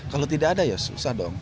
kalau tidak ada ya susah dong